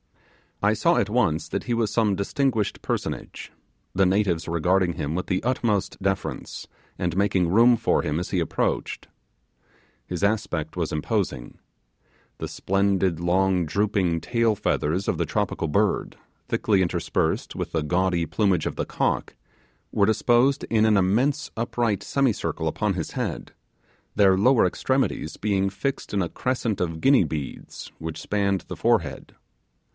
I saw at once that he was some distinguished personage, the natives regarding him with the utmost deference, and making room for him as he approached. His aspect was imposing. The splendid long drooping tail feathers of the tropical bird, thickly interspersed with the gaudy plumage of the cock, were disposed in an immense upright semicircle upon his head, their lower extremities being fixed in a crescent of guinea heads which spanned the forehead.